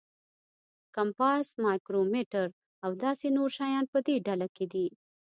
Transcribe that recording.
کمپاس، مایکرومیټر او داسې نور شیان په دې ډله کې دي.